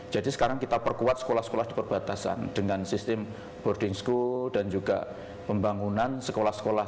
jadi sekarang kita perkuat sekolah sekolah di perbatasan dengan sistem boarding school dan juga pembangunan sekolah sekolah